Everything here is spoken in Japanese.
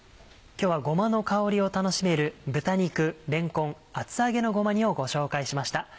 今日はごまの香りを楽しめる「豚肉、れんこん、厚揚げのごま煮」をご紹介しました。